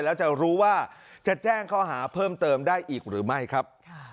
แล้วจะรู้ว่าจะแจ้งข้อหาเพิ่มเติมได้อีกหรือไม่ครับ